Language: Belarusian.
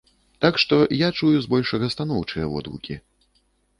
Так што я чую збольшага станоўчыя водгукі.